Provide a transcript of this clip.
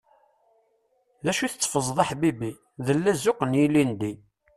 D acu i tteffẓeḍ, a ḥbibi? D llazuq n yilindi.